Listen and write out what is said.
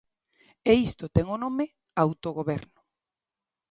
E isto ten o nome: autogoberno.